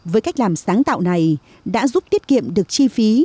với cách làm sáng tạo này đã giúp tiết kiệm được chi phí